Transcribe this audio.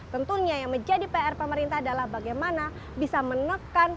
tentunya yang menjadi pr pemerintah adalah bagaimana bisa menekan